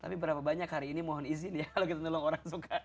tapi berapa banyak hari ini mohon izin ya kalau kita nolong orang suka